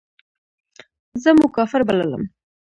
زه مو کافر بللم.